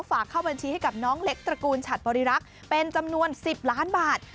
ฝากเข้าบัญชีให้กับน้องเล็กตระกูลฉัดบริรักษ์เป็นจำนวน๑๐ล้านบาท